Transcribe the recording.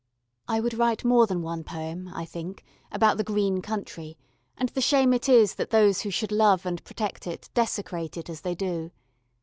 I would write more than one poem, I think, about the green country and the shame it is that those who should love and protect it desecrate it as they do.